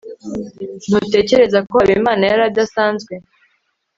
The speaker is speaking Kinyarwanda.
ntutekereza ko habimana yari adasanzwe